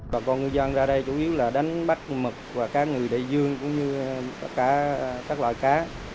bà con ngư dân ra đây chủ yếu là đánh bắt mực và cá người đại dương cũng như các loại cá